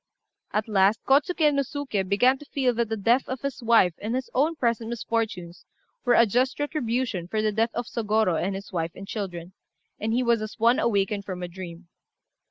At last Kôtsuké no Suké began to feel that the death of his wife and his own present misfortunes were a just retribution for the death of Sôgorô and his wife and children, and he was as one awakened from a dream.